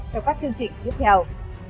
trong các chương trình tiếp theo